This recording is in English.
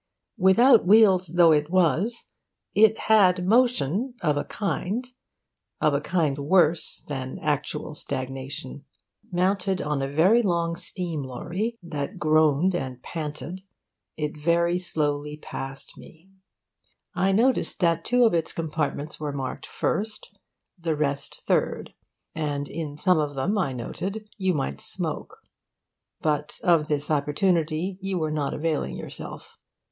Without wheels though it was, it had motion of a kind; of a kind worse than actual stagnation. Mounted on a very long steam lorry that groaned and panted, it very slowly passed me. I noted that two of its compartments were marked FIRST, the rest THIRD. And in some of them, I noted, you might smoke. But of this opportunity you were not availing yourself.